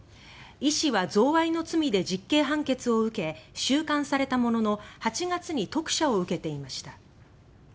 李氏は、贈賄の罪で実刑判決を受け収監されたものの８月に特赦を受けていました。